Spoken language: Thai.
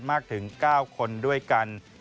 มากถึง๙คนด้วยกัน